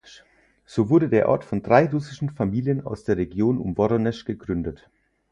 So wurde der Ort von drei russischen Familien aus der Region um Woronesch gegründet.